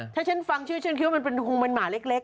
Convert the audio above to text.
ถ้าฉันฟังชื่อฉันคิดว่ามันเป็นหุงมันหมาเล็ก